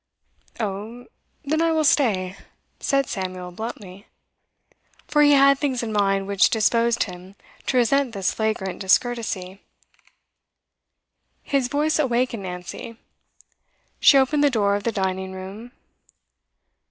'Oh, then I will stay,' said Samuel bluntly. For he had things in mind which disposed him to resent this flagrant discourtesy. His voice awakened Nancy. She opened the door of the dining room.